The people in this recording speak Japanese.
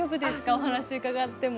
お話伺っても。